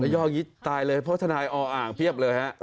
เยอ๋อยิดตายเลยเพราะทนายอ๋ออ่านเปรียบเลย